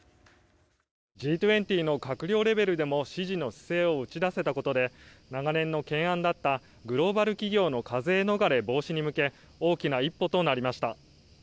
Ｇ２０の閣僚レベルでも支持の姿勢を打ち出せたことで長年の懸案だったグローバル企業の課税逃れ防止に向け大きな一歩となりました。